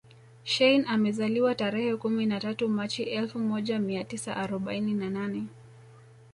Shein amezaliwa tarehe kumi na tatu machi elfu moja mia tisa arobaini na nane